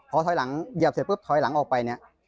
พอเท้าหลังเหยียบเสร็จเท้าหลังออกไปเนี้ย